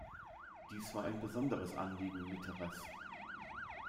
Dies war ein besonderes Anliegen Mitterers.